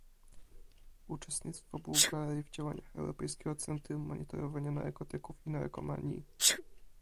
uczestnictwo Bułgarii w działaniach Europejskiego Centrum Monitorowania Narkotyków i Narkomanii